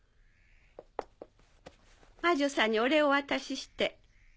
魔女さんにお礼をお渡しして。